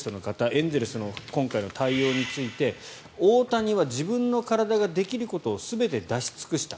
エンゼルスの今回の対応について大谷は自分の体ができることを全て出し尽くした。